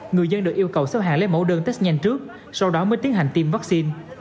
người dân được yêu cầu xếp hàng lấy mẫu đơn test nhanh trước sau đó mới tiến hành tiêm vaccine